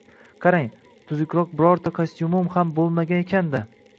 Qarang, tuzukroq birorta kostyumim ham bo’lmagan ekan-da.